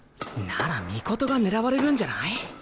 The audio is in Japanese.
なら尊が狙われるんじゃない？